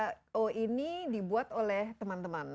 nah tko ini dibuat oleh teman teman